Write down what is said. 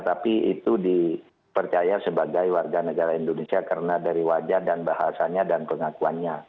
tapi itu dipercaya sebagai warga negara indonesia karena dari wajah dan bahasanya dan pengakuannya